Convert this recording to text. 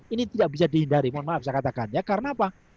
ini tidak bisa dihindari mohon maaf saya katakan ya karena apa